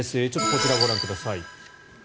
こちらをご覧ください。